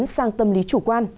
sang tâm lý chủ quan